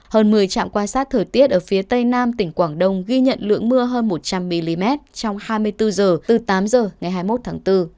hơn một mươi trạm quan sát thời tiết ở phía tây nam tỉnh quảng đông ghi nhận lượng mưa hơn một trăm linh mm trong hai mươi bốn h từ tám h ngày hai mươi một tháng bốn